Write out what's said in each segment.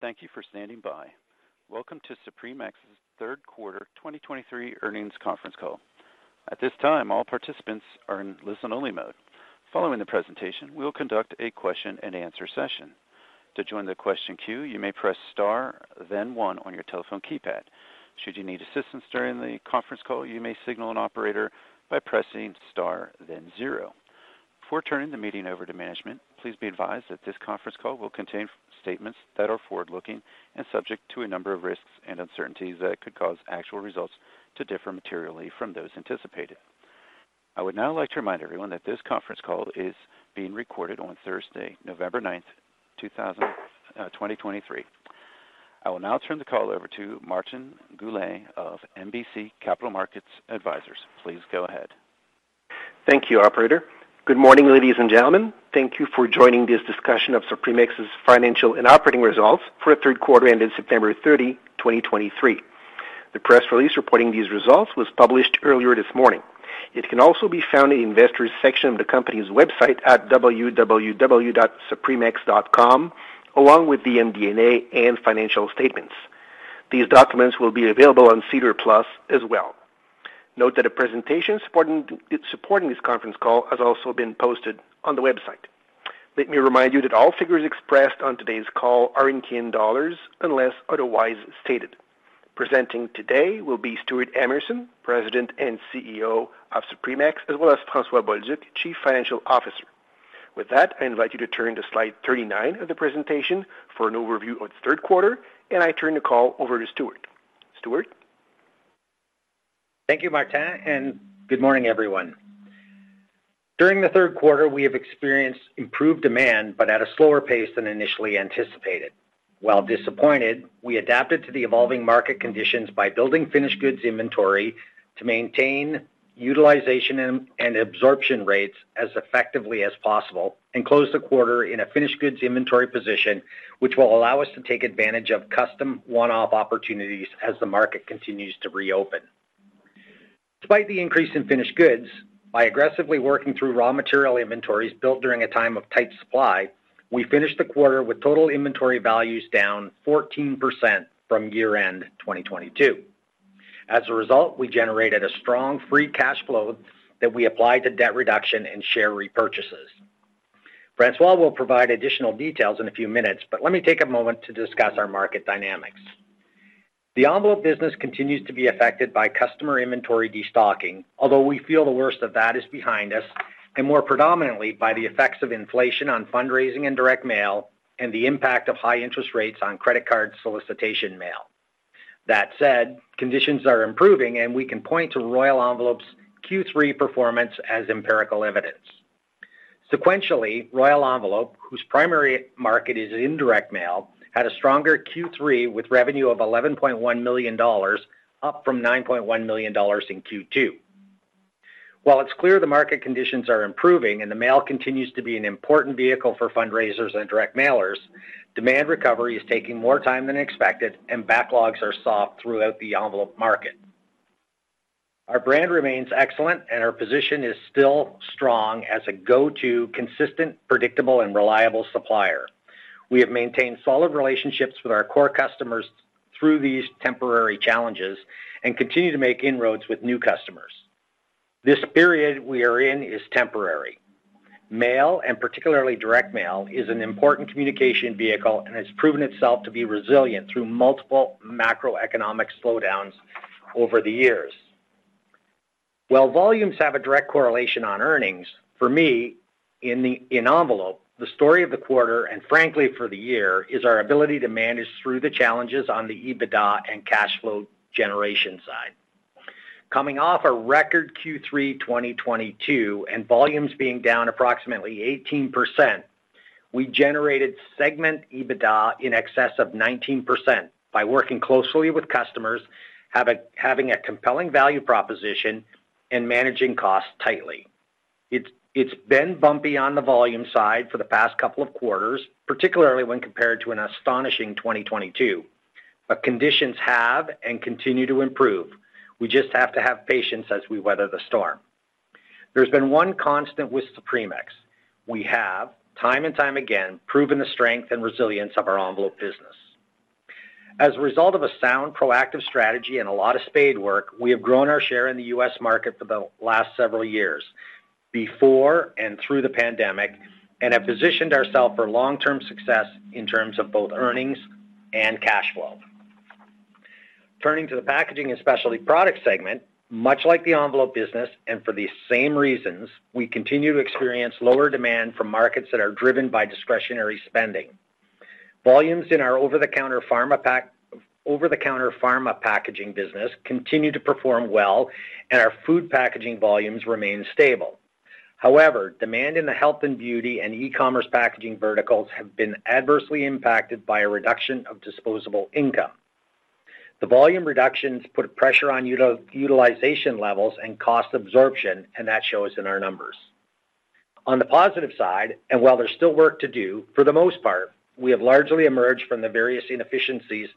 Thank you for standing by. Welcome to Supremex's third quarter 2023 earnings conference call. At this time, all participants are in listen-only mode. Following the presentation, we will conduct a question-and-answer session. To join the question queue, you may press star, then one on your telephone keypad. Should you need assistance during the conference call, you may signal an operator by pressing star, then zero. Before turning the meeting over to management, please be advised that this conference call will contain statements that are forward-looking and subject to a number of risks and uncertainties that could cause actual results to differ materially from those anticipated. I would now like to remind everyone that this conference call is being recorded on Thursday, November 9, 2023. I will now turn the call over to Martin Goulet of MBC Capital Markets Advisors. Please go ahead. Thank you, operator. Good morning, ladies and gentlemen. Thank you for joining this discussion of Supremex's financial and operating results for the third quarter ended September 30, 2023. The press release reporting these results was published earlier this morning. It can also be found in the Investors section of the company's website at www.supremex.com, along with the MD&A and financial statements. These documents will be available on SEDAR+ as well. Note that a presentation supporting this conference call has also been posted on the website. Let me remind you that all figures expressed on today's call are in Canadian dollars, unless otherwise stated. Presenting today will be Stewart Emerson, President and CEO of Supremex, as well as François Bolduc, Chief Financial Officer. With that, I invite you to turn to slide 39 of the presentation for an overview of the third quarter, and I turn the call over to Stewart. Stewart? Thank you, Martin, and good morning, everyone. During the third quarter, we have experienced improved demand, but at a slower pace than initially anticipated. While disappointed, we adapted to the evolving market conditions by building finished goods inventory to maintain utilization and absorption rates as effectively as possible and close the quarter in a finished goods inventory position, which will allow us to take advantage of custom one-off opportunities as the market continues to reopen. Despite the increase in finished goods, by aggressively working through raw material inventories built during a time of tight supply, we finished the quarter with total inventory values down 14% from year-end 2022. As a result, we generated a strong free cash flow that we applied to debt reduction and share repurchases. François will provide additional details in a few minutes, but let me take a moment to discuss our market dynamics. The envelope business continues to be affected by customer inventory destocking, although we feel the worst of that is behind us, and more predominantly by the effects of inflation on fundraising and direct mail, and the impact of high interest rates on credit card solicitation mail. That said, conditions are improving, and we can point to Royal Envelope's Q3 performance as empirical evidence. Sequentially, Royal Envelope, whose primary market is in direct mail, had a stronger Q3 with revenue of $11.1 million, up from $9.1 million in Q2. While it's clear the market conditions are improving and the mail continues to be an important vehicle for fundraisers and direct mailers, demand recovery is taking more time than expected, and backlogs are soft throughout the envelope market. Our brand remains excellent, and our position is still strong as a go-to, consistent, predictable, and reliable supplier. We have maintained solid relationships with our core customers through these temporary challenges and continue to make inroads with new customers. This period we are in is temporary. Mail, and particularly direct mail, is an important communication vehicle and has proven itself to be resilient through multiple macroeconomic slowdowns over the years. While volumes have a direct correlation on earnings, for me, in the envelope, the story of the quarter, and frankly, for the year, is our ability to manage through the challenges on the EBITDA and cash flow generation side. Coming off a record Q3 2022, and volumes being down approximately 18%, we generated segment EBITDA in excess of 19% by working closely with customers, having a compelling value proposition and managing costs tightly. It's been bumpy on the volume side for the past couple of quarters, particularly when compared to an astonishing 2022, but conditions have and continue to improve. We just have to have patience as we weather the storm. There's been one constant with Supremex: We have, time and time again, proven the strength and resilience of our envelope business. As a result of a sound, proactive strategy and a lot of spade work, we have grown our share in the U.S. market for the last several years, before and through the pandemic, and have positioned ourselves for long-term success in terms of both earnings and cash flow. Turning to the packaging and specialty product segment, much like the envelope business, and for the same reasons, we continue to experience lower demand from markets that are driven by discretionary spending. Volumes in our over-the-counter pharma packaging business continue to perform well, and our food packaging volumes remain stable. However, demand in the health and beauty and e-commerce packaging verticals have been adversely impacted by a reduction of disposable income. The volume reductions put pressure on utilization levels and cost absorption, and that shows in our numbers. On the positive side, and while there's still work to do, for the most part, we have largely emerged from the various inefficiencies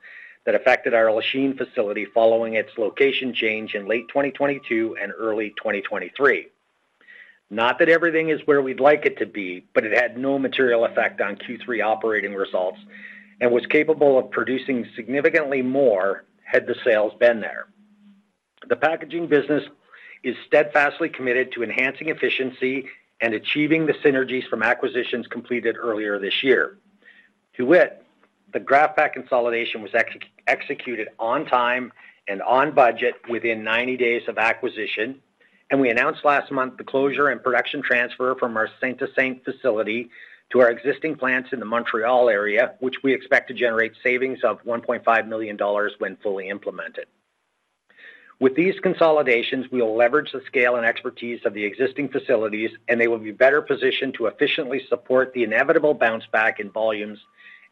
that affected our Lachine facility following its location change in late 2022 and early 2023. Not that everything is where we'd like it to be, but it had no material effect on Q3 operating results and was capable of producing significantly more had the sales been there. The packaging business is steadfastly committed to enhancing efficiency and achieving the synergies from acquisitions completed earlier this year. To wit, the Graph-Pak consolidation was executed on time and on budget within 90 days of acquisition, and we announced last month the closure and production transfer from our Saint-Eustache facility to our existing plants in the Montreal area, which we expect to generate savings of 1.5 million dollars when fully implemented. With these consolidations, we will leverage the scale and expertise of the existing facilities, and they will be better positioned to efficiently support the inevitable bounce back in volumes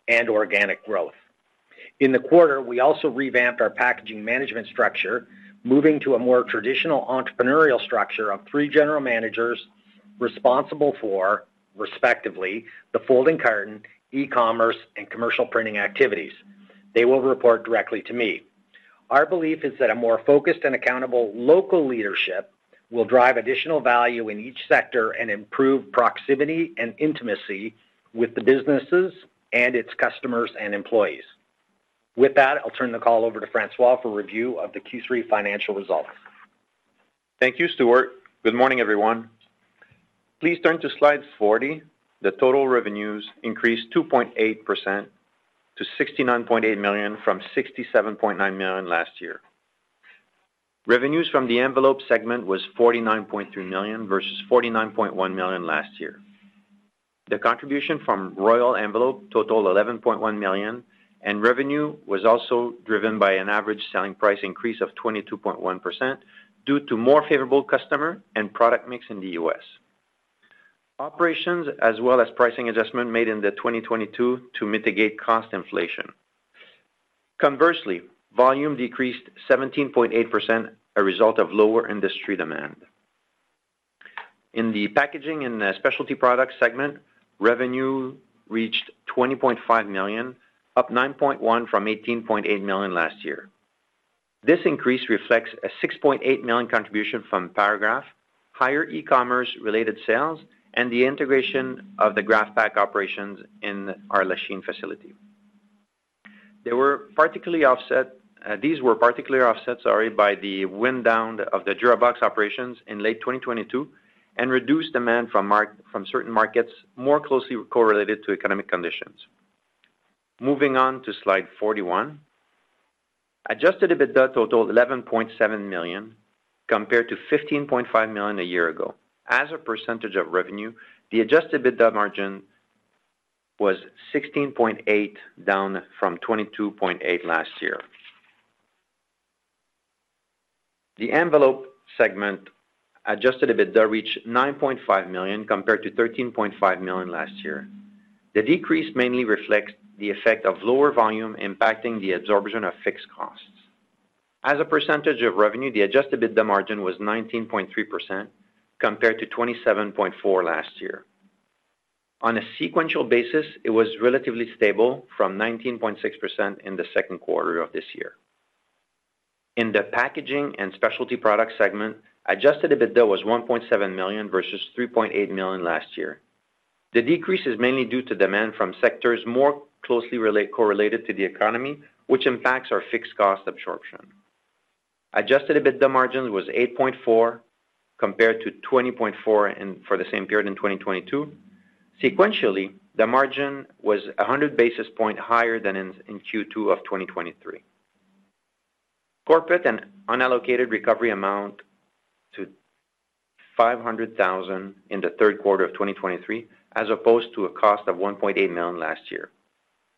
and organic growth. In the quarter, we also revamped our packaging management structure, moving to a more traditional entrepreneurial structure of three general managers responsible for, respectively, the folding carton, e-commerce, and commercial printing activities. They will report directly to me. Our belief is that a more focused and accountable local leadership will drive additional value in each sector and improve proximity and intimacy with the businesses and its customers and employees. With that, I'll turn the call over to François for review of the Q3 financial results. Thank you, Stewart. Good morning, everyone. Please turn to slide 40. The total revenues increased 2.8% to 69.8 million, from 67.9 million last year. Revenues from the envelope segment was 49.3 million versus 49.1 million last year. The contribution from Royal Envelope totaled 11.1 million, and revenue was also driven by an average selling price increase of 22.1%, due to more favorable customer and product mix in the U.S. Operations as well as pricing adjustment made in the 2022 to mitigate cost inflation. Conversely, volume decreased 17.8%, a result of lower industry demand. In the packaging and specialty product segment, revenue reached 20.5 million, up 9.1% from 18.8 million last year. This increase reflects a 6.8 million contribution from Paragraph, higher e-commerce-related sales, and the integration of the Graph-Pak operations in our Lachine facility. They were particularly offset. These were particularly offset by the wind down of the Durabox operations in late 2022 and reduced demand from certain markets more closely correlated to economic conditions. Moving on to slide 41. Adjusted EBITDA totaled 11.7 million, compared to 15.5 million a year ago. As a percentage of revenue, the adjusted EBITDA margin was 16.8%, down from 22.8% last year. The envelope segment adjusted EBITDA reached 9.5 million, compared to 13.5 million last year. The decrease mainly reflects the effect of lower volume impacting the absorption of fixed costs. As a percentage of revenue, the Adjusted EBITDA margin was 19.3%, compared to 27.4% last year. On a sequential basis, it was relatively stable from 19.6% in the second quarter of this year. In the packaging and specialty product segment, Adjusted EBITDA was 1.7 million versus 3.8 million last year. The decrease is mainly due to demand from sectors more closely correlated to the economy, which impacts our fixed cost absorption. Adjusted EBITDA margin was 8.4%, compared to 20.4% in for the same period in 2022. Sequentially, the margin was 100 basis points higher than in Q2 of 2023. Corporate and unallocated recovery amount to 500 thousand in the third quarter of 2023, as opposed to a cost of 1.8 million last year.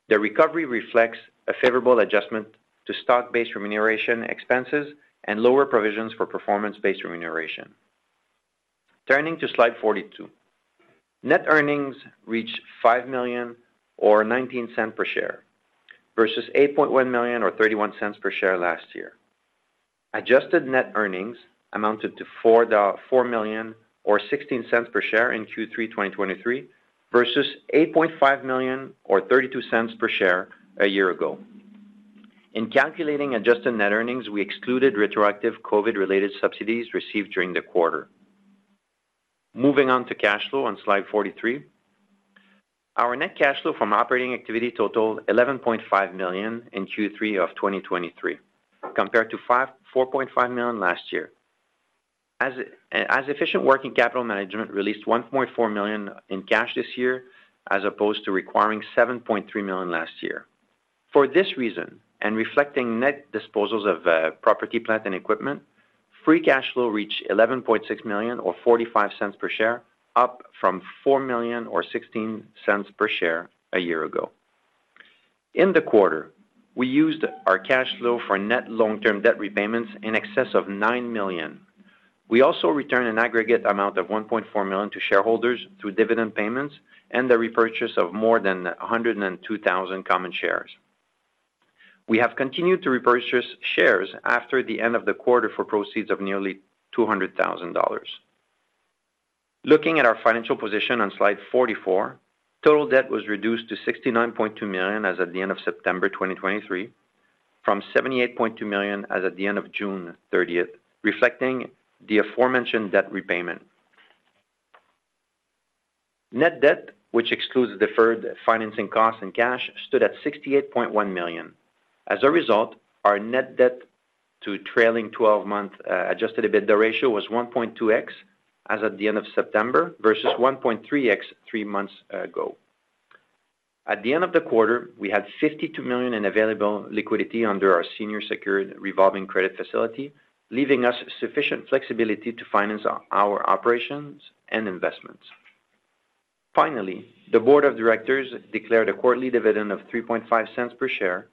The recovery reflects a favorable adjustment to stock-based remuneration expenses and lower provisions for performance-based remuneration. Turning to slide 42. Net earnings reached 5 million or 0.19 per share, versus 8.1 million or 0.31 per share last year. Adjusted net earnings amounted to 4 million, or 0.16 per share in Q3 2023, versus 8.5 million or 0.32 per share a year ago. In calculating adjusted net earnings, we excluded retroactive COVID-related subsidies received during the quarter. Moving on to cash flow on slide 43. Our net cash flow from operating activity totaled 11.5 million in Q3 of 2023, compared to 4.5 million last year. As efficient working capital management released 1.4 million in cash this year, as opposed to requiring 7.3 million last year. For this reason, and reflecting net disposals of property, plant, and equipment, free cash flow reached 11.6 million or 0.45 per share, up from 4 million or 0.16 per share a year ago. In the quarter, we used our cash flow for net long-term debt repayments in excess of 9 million. We also returned an aggregate amount of 1.4 million to shareholders through dividend payments and the repurchase of more than 102,000 common shares. We have continued to repurchase shares after the end of the quarter for proceeds of nearly 200,000 dollars. Looking at our financial position on slide 44, total debt was reduced to 69.2 million as at the end of September 2023 from 78.2 million as at the end of June 30, reflecting the aforementioned debt repayment. Net debt, which excludes deferred financing costs and cash, stood at 68.1 million. As a result, our net debt to trailing twelve-month adjusted EBITDA ratio was 1.2x as at the end of September, versus 1.3x three months ago. At the end of the quarter, we had 52 million in available liquidity under our senior secured revolving credit facility, leaving us sufficient flexibility to finance our operations and investments. Finally, the board of directors declared a quarterly dividend of 0.035 per share,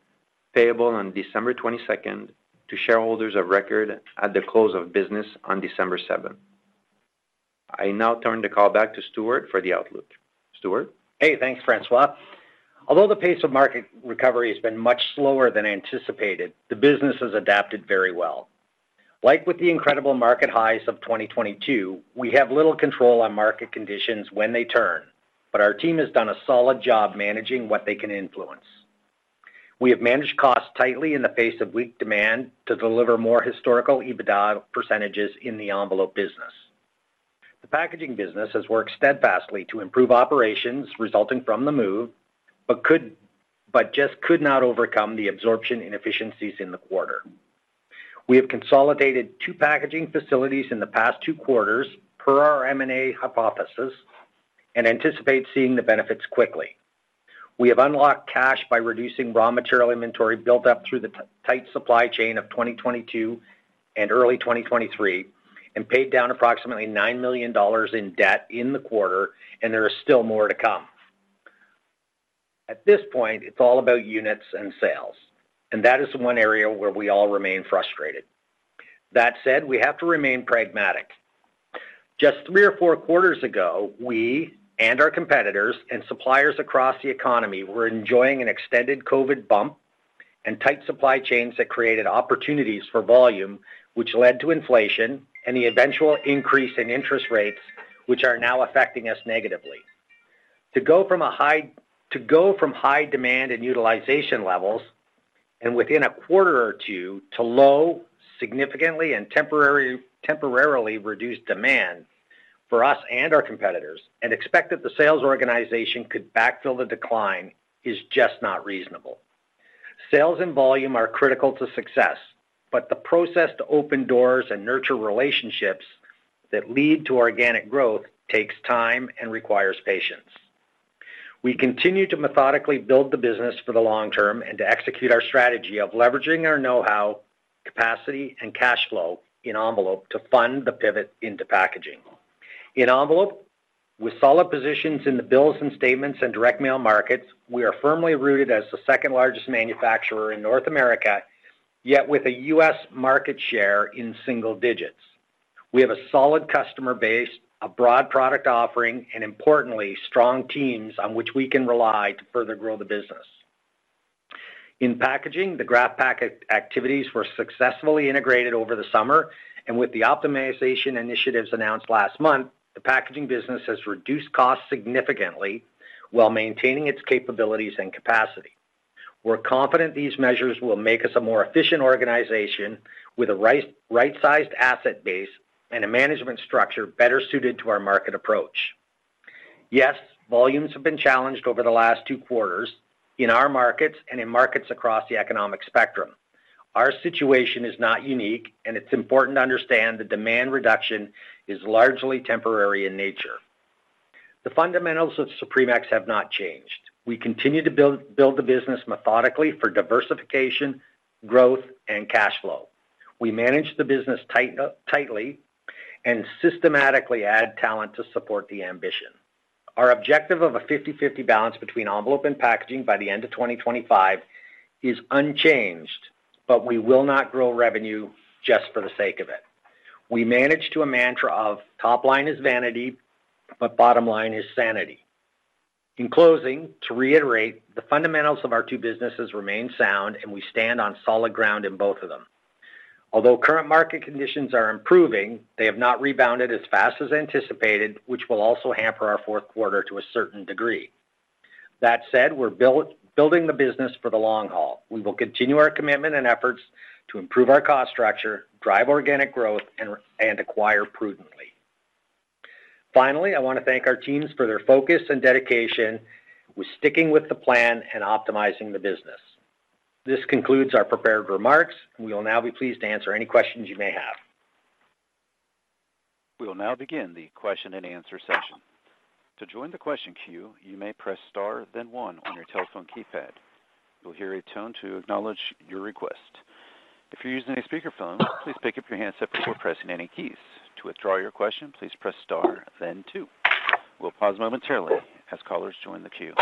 payable on December 22, to shareholders of record at the close of business on December 7. I now turn the call back to Stewart for the outlook. Stewart? Hey, thanks, François. Although the pace of market recovery has been much slower than anticipated, the business has adapted very well. Like with the incredible market highs of 2022, we have little control on market conditions when they turn, but our team has done a solid job managing what they can influence. We have managed costs tightly in the face of weak demand to deliver more historical EBITDA percentages in the envelope business. The packaging business has worked steadfastly to improve operations resulting from the move, but just could not overcome the absorption inefficiencies in the quarter. We have consolidated two packaging facilities in the past two quarters per our M&A hypothesis, and anticipate seeing the benefits quickly. We have unlocked cash by reducing raw material inventory built up through the tight supply chain of 2022 and early 2023, and paid down approximately 9 million dollars in debt in the quarter, and there is still more to come. At this point, it's all about units and sales, and that is one area where we all remain frustrated. That said, we have to remain pragmatic. Just three or four quarters ago, we and our competitors and suppliers across the economy were enjoying an extended COVID bump and tight supply chains that created opportunities for volume, which led to inflation and the eventual increase in interest rates, which are now affecting us negatively. To go from high demand and utilization levels, and within a quarter or two, to low, significantly and temporarily reduced demand for us and our competitors, and expect that the sales organization could backfill the decline, is just not reasonable. Sales and volume are critical to success, but the process to open doors and nurture relationships that lead to organic growth takes time and requires patience. We continue to methodically build the business for the long term and to execute our strategy of leveraging our know-how, capacity, and cash flow in envelope to fund the pivot into packaging. In envelope, with solid positions in the bills and statements and direct mail markets, we are firmly rooted as the second-largest manufacturer in North America, yet with a U.S. market share in single digits. We have a solid customer base, a broad product offering, and importantly, strong teams on which we can rely to further grow the business. In packaging, the Graph-Pak acquisition activities were successfully integrated over the summer, and with the optimization initiatives announced last month, the packaging business has reduced costs significantly while maintaining its capabilities and capacity. We're confident these measures will make us a more efficient organization with a right-sized asset base and a management structure better suited to our market approach. Yes, volumes have been challenged over the last two quarters in our markets and in markets across the economic spectrum. Our situation is not unique, and it's important to understand that demand reduction is largely temporary in nature. The fundamentals of Supremex have not changed. We continue to build the business methodically for diversification, growth, and cash flow. We manage the business tightly and systematically add talent to support the ambition. Our objective of a 50/50 balance between envelope and packaging by the end of 2025 is unchanged, but we will not grow revenue just for the sake of it. We manage to a mantra of: top line is vanity, but bottom line is sanity. In closing, to reiterate, the fundamentals of our two businesses remain sound, and we stand on solid ground in both of them. Although current market conditions are improving, they have not rebounded as fast as anticipated, which will also hamper our fourth quarter to a certain degree. That said, we're building the business for the long haul. We will continue our commitment and efforts to improve our cost structure, drive organic growth, and acquire prudently. Finally, I want to thank our teams for their focus and dedication with sticking with the plan and optimizing the business. This concludes our prepared remarks. We will now be pleased to answer any questions you may have. We will now begin the question-and-answer session. To join the question queue, you may press star, then one on your telephone keypad. You'll hear a tone to acknowledge your request. If you're using a speakerphone, please pick up your handset before pressing any keys. To withdraw your question, please press star, then two. We'll pause momentarily as callers join the queue.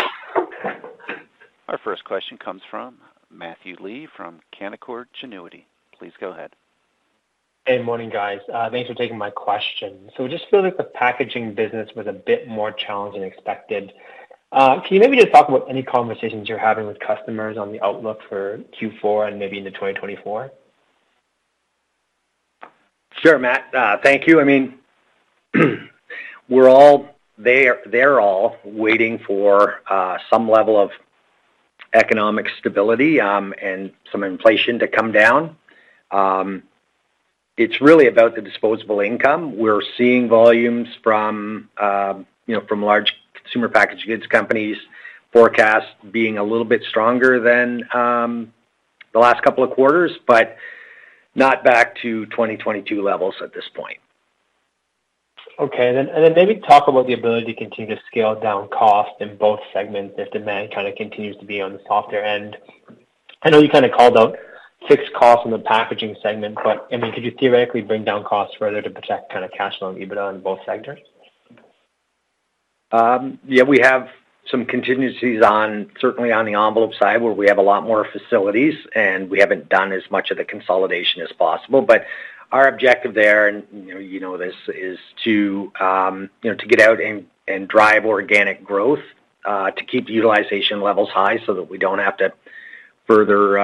Our first question comes from Matthew Lee from Canaccord Genuity. Please go ahead. Good morning, guys. Thanks for taking my question. So just feel like the packaging business was a bit more challenged than expected. Can you maybe just talk about any conversations you're having with customers on the outlook for Q4 and maybe into 2024? Sure, Matt. Thank you. I mean, they're all waiting for some level of economic stability and some inflation to come down. It's really about the disposable income. We're seeing volumes from, you know, from large consumer packaged goods companies forecast being a little bit stronger than the last couple of quarters, but not back to 2022 levels at this point. Okay. Then, and then maybe talk about the ability to continue to scale down cost in both segments as demand kinda continues to be on the softer end. I know you kinda called out fixed costs in the packaging segment, but, I mean, could you theoretically bring down costs further to protect kinda cash flow and EBITDA in both sectors? Yeah, we have some contingencies on, certainly on the envelope side, where we have a lot more facilities, and we haven't done as much of the consolidation as possible. But our objective there, and, you know, you know this, is to, you know, to get out and, and drive organic growth, to keep the utilization levels high so that we don't have to further,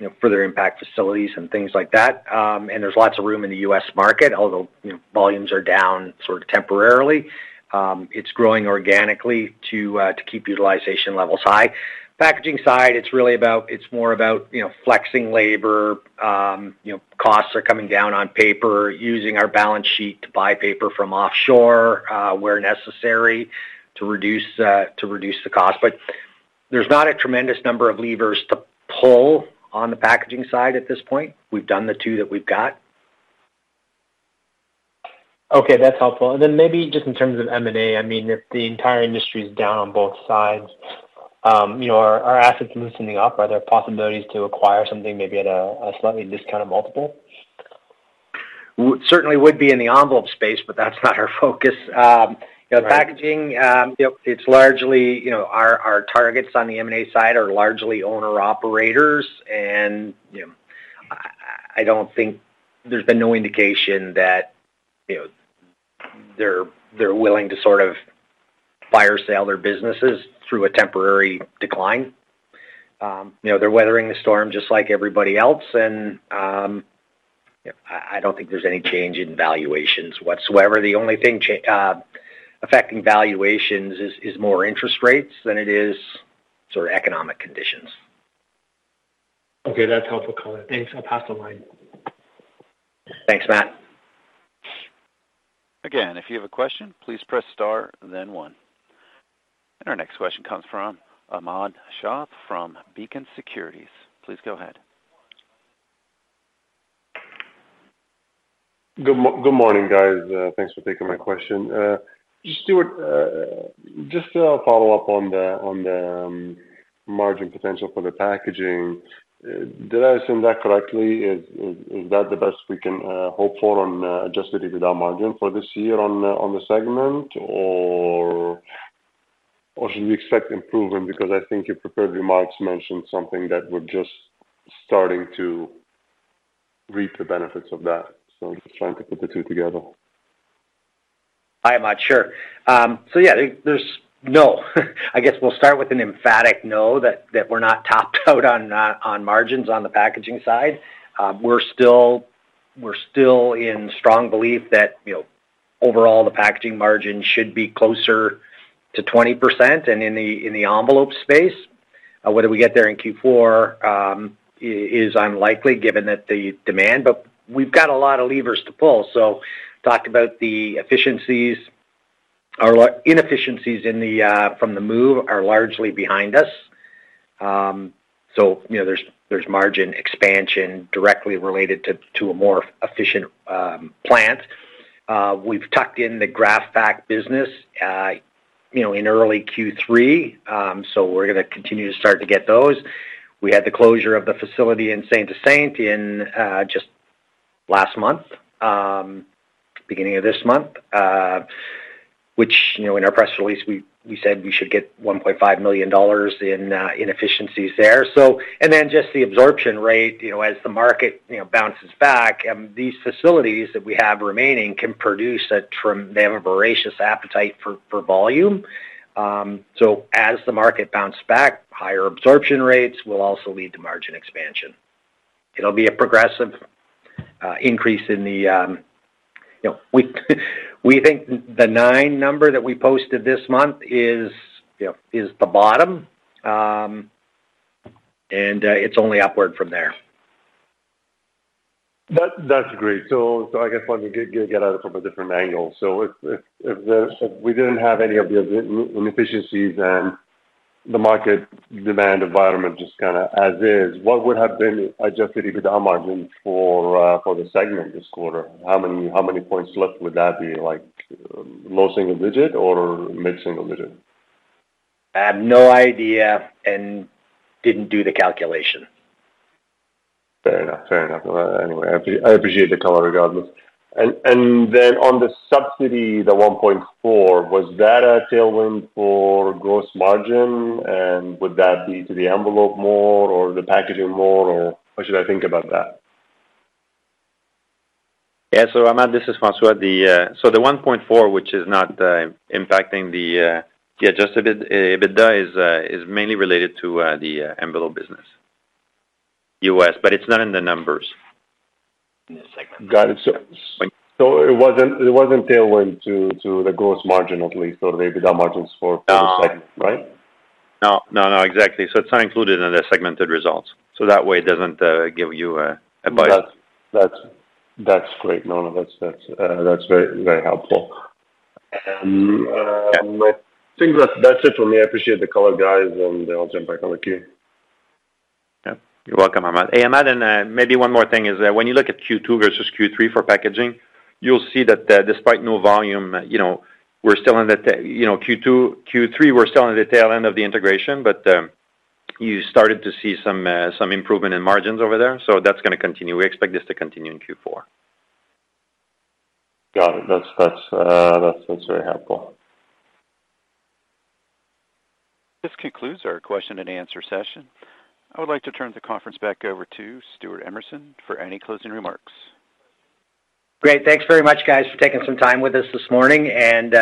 you know, further impact facilities and things like that. And there's lots of room in the U.S. market, although, you know, volumes are down sort of temporarily. It's growing organically to, to keep utilization levels high. Packaging side, it's really about, it's more about, you know, flexing labor, you know, costs are coming down on paper, using our balance sheet to buy paper from offshore, where necessary, to reduce, to reduce the cost. There's not a tremendous number of levers to pull on the packaging side at this point. We've done the two that we've got. Okay, that's helpful. And then maybe just in terms of M&A, I mean, if the entire industry is down on both sides, you know, are assets loosening up? Are there possibilities to acquire something maybe at a slightly discounted multiple? Certainly would be in the envelope space, but that's not our focus. You know- Right. Packaging, you know, it's largely, you know, our targets on the M&A side are largely owner-operators, and, you know, I don't think there's been no indication that, you know, they're willing to sort of fire sale their businesses through a temporary decline. You know, they're weathering the storm just like everybody else, and, you know, I don't think there's any change in valuations whatsoever. The only thing affecting valuations is more interest rates than it is sort of economic conditions. Okay, that's helpful, color. Thanks. I'll pass the line. Thanks, Matt. Again, if you have a question, please press star, then one. And our next question comes from Ahmad Shaath from Beacon Securities. Please go ahead. Good morning, guys. Thanks for taking my question. Stewart, just to follow up on the margin potential for the packaging, did I assume that correctly? Is that the best we can hope for on Adjusted EBITDA margin for this year on the segment, or should we expect improvement? Because I think your prepared remarks mentioned something that we're just starting to reap the benefits of that. So just trying to put the two together. Hi, Ahmad. Sure. So yeah, there's no. I guess we'll start with an emphatic no, that we're not topped out on margins on the packaging side. We're still in strong belief that, you know, overall, the packaging margin should be closer to 20% and in the envelope space. Whether we get there in Q4 is unlikely, given that the demand, but we've got a lot of levers to pull. So talked about the efficiencies. Our inefficiencies in the from the move are largely behind us. So, you know, there's margin expansion directly related to a more efficient plant. We've tucked in the Graph-Pak business, you know, in early Q3, so we're gonna continue to start to get those. We had the closure of the facility in Saint-Eustache in just last month, beginning of this month, which, you know, in our press release, we said we should get 1.5 million dollars in inefficiencies there. So, and then just the absorption rate, you know, as the market bounces back, these facilities that we have remaining can produce, they have a voracious appetite for volume. So as the market bounce back, higher absorption rates will also lead to margin expansion. It'll be a progressive increase in the, you know, we think the 9 number that we posted this month is, you know, is the bottom, and it's only upward from there. That's great. So I guess let me get at it from a different angle. So if we didn't have any of the inefficiencies and the market demand environment just kinda as is, what would have been Adjusted EBITDA margin for the segment this quarter? How many points left would that be? Like, low single digit or mid single digit? I have no idea and didn't do the calculation. Fair enough. Fair enough. Anyway, I appreciate the color, regardless. And then on the subsidy, the 1.4, was that a tailwind for gross margin? And would that be to the envelope more or the packaging more, or how should I think about that? Yeah. So, Ahmad, this is François. So the $1.4, which is not impacting the adjusted EBITDA, is mainly related to the envelope business. U.S., but it's not in the numbers in this segment. Got it. Thank you. So it wasn't tailwind to the gross margin, at least, or the EBITDA margins for- No. the segment, right? No, no, no, exactly. So it's not included in the segmented results. So that way, it doesn't give you a bias. That's great. No, that's very, very helpful. I think that's it for me. I appreciate the color, guys, and I'll jump back on the queue. Yeah. You're welcome, Ahmad. Hey, Ahmad, and maybe one more thing is that when you look at Q2 versus Q3 for packaging, you'll see that, despite no volume, you know, we're still in the tail end of the integration, but you started to see some some improvement in margins over there, so that's gonna continue. We expect this to continue in Q4. Got it. That's very helpful. This concludes our question and answer session. I would like to turn the conference back over to Stewart Emerson for any closing remarks. Great. Thanks very much, guys, for taking some time with us this morning, and,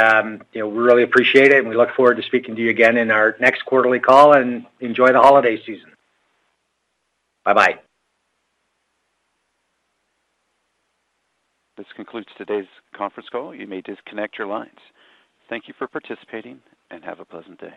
you know, we really appreciate it, and we look forward to speaking to you again in our next quarterly call, and enjoy the holiday season. Bye-bye. This concludes today's conference call. You may disconnect your lines. Thank you for participating, and have a pleasant day.